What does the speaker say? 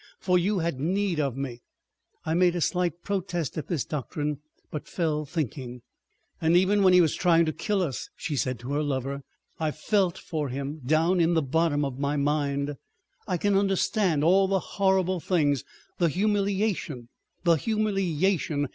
For you had need of me." I made a slight protest at this doctrine and fell thinking. "And even when he was trying to kill us," she said to her lover, "I felt for him down in the bottom of my mind. I can understand all the horrible things, the humiliation—the humiliation!